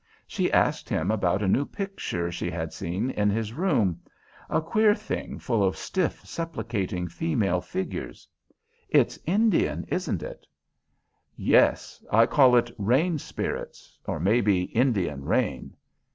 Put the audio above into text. She asked him about a new picture she had seen in his room; a queer thing full of stiff, supplicating female figures. "It's Indian, isn't it?" "Yes. I call it Rain Spirits, or maybe, Indian Rain.